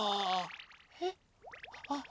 えっ？